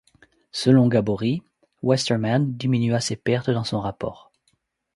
Selon Gabory, Westermann diminua ses pertes dans son rapport.